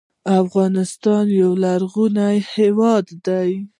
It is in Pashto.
افغانستان یو غرنی هېواد دې .